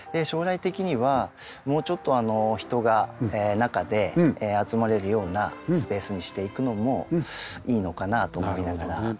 将来的にはもうちょっと人が中で集まれるようなスペースにしていくのもいいのかなと思いながら。